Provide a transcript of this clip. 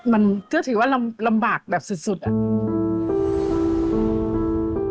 มันก็ถือว่าลำบากแบบสุดอะ